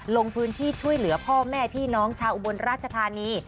ลงพื้นที่ช่วยเหลือพ่อแม่พี่น้องชาวอุบลราชธานี